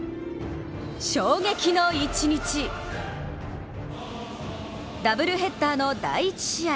衝撃の一日ダブルヘッダーの第１試合